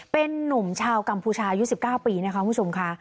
เป็นหนุ่มชาวกัมภูชายู่๑๙ปีคุณผู้ชมค่ะ